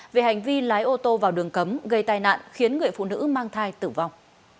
về hành vi lái ô tô vào đường cấm gây tai nạn khiến người phụ nữ mang thai tử vong